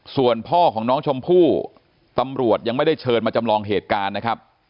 ส่วนพ่อของน้องชมพู่ตำรวจยังไม่ได้เชิญมาจำลองเหตุการณ์นะครับ